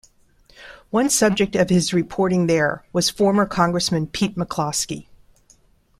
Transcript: One subject of his reporting there was former Congressman Pete McCloskey.